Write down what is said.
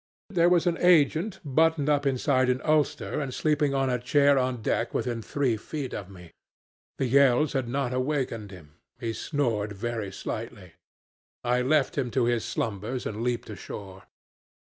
"There was an agent buttoned up inside an ulster and sleeping on a chair on deck within three feet of me. The yells had not awakened him; he snored very slightly; I left him to his slumbers and leaped ashore.